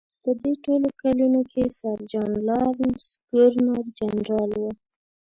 په دې ټولو کلونو کې سر جان لارنس ګورنر جنرال و.